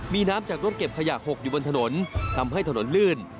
มีน้ำจากรถเก็บขยะหกอยู่บนถนนทำให้ถนนลื่น